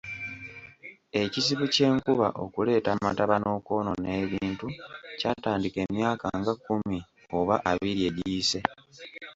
Ekizibu ky’enkuba okuleeta amataba n'okwonoona ebintu kyatandika emyaka nga kkumi oba abiri egiyise.